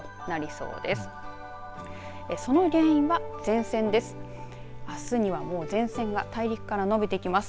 その原因は前線です。